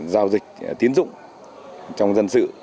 giao dịch tiến dụng trong dân sự